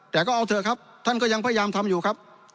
แต่ก็เอาเถอะครับท่านก็ยังพยายามทำอยู่ครับ